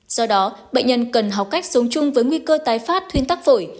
do đó bệnh nhân cần học cách sống chung với nguy cơ tái phát thuyên tắc phổi